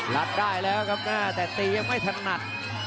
รับได้แล้วครับแต่ตียังไม่ถนัด